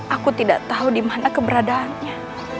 aku tidak tahu di mana keberadaannya